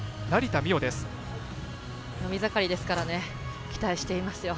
伸び盛りですから期待していますよ。